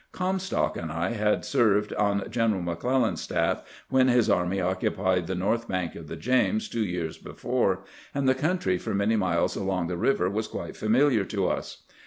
Comstock and I had served on Q eneral McClellan's staff when his army occupied the north bank of the James two years before, and the country for many miles along the river was quite familiar to us.